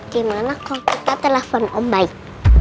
gimana kalau kita telepon om baik